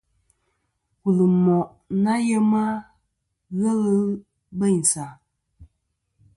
Wul ɨ moʼ ɨ nà yema, ghelɨ bêynsì a.